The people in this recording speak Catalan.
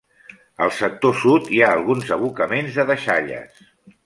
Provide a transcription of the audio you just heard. Al sector sud hi ha alguns abocaments de deixalles.